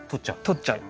とっちゃう。